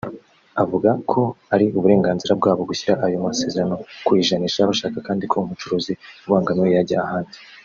Avuga ko ari uburenganzira bwabo gushyira ayo masezerano ku ijanisha bashaka kandi ko umucuruzi ubangamiwe yajya ahandi